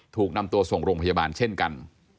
ถูกนำตัวส่งโรงพยาบาลเช่นกัน